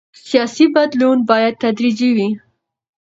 سیاسي بدلون باید تدریجي وي